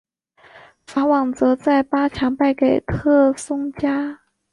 法网则在八强败给特松加。